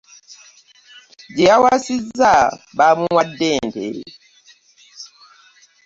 Gye yawasizza baamuwadde ente.